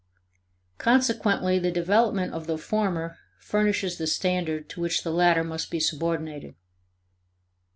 Consequently the development of the former furnishes the standard to which the latter must be subordinated.